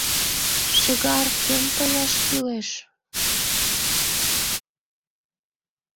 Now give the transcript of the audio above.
Шӱгар кӧм тояш кӱлеш!